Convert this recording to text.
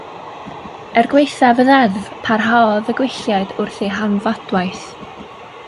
Er gwaethaf y ddeddf parhaodd y gwylliaid wrth eu hanfadwaith.